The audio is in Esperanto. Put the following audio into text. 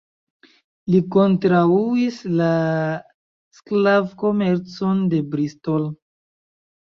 Li kontraŭis la sklav-komercon de Bristol.